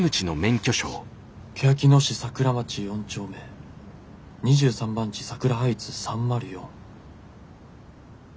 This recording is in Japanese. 「欅野市桜町４丁目２３番地サクラハイツ３０４」。